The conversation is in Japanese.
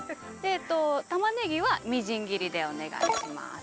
たまねぎはみじん切りでお願いします。